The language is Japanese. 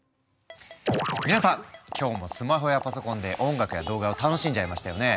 皆さん今日もスマホやパソコンで音楽や動画を楽しんじゃいましたよね。